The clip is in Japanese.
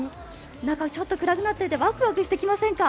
中、ちょっと暗くなっていてワクワクしてきませんか？